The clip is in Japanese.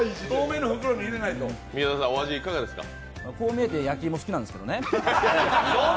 こう見えて焼き芋好きなんですけどね。